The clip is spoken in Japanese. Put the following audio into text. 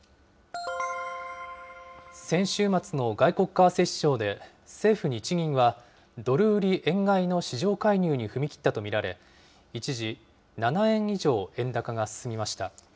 先週末の外国為替市場で、政府・日銀はドル売り円買いの市場介入に踏み切ったと見られ、一時、７円以上円高が進みました。